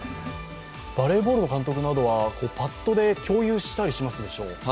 バレーボールの監督などは、パッドで共有したりするでしょう。